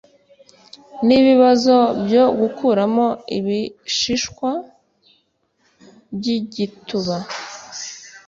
nibibazo byo gukuramo ibishishwa byigituba.